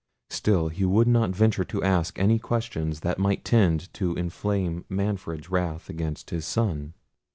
Still he would not venture to ask any questions that might tend to inflame Manfred's wrath against his son.